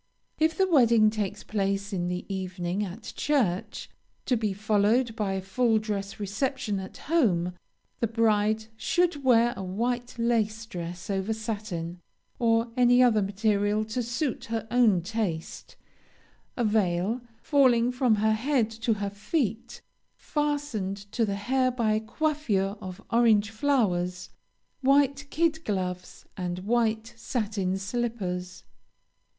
If the wedding takes place in the evening at church, to be followed by a full dress reception at home, the bride should wear a white lace dress over satin, or any other material to suit her own taste, a veil, falling from her head to her feet, fastened to the hair by a coiffure of orange flowers; white kid gloves, and white satin slippers.